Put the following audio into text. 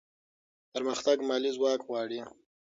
پرمختګ مالي ځواک غواړي.